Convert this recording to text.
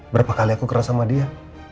berapa kali aku keras sama dia